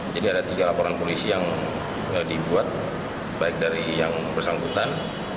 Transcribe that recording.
jadi ada tiga laporan polisi yang dibuat baik dari yang bersangkutan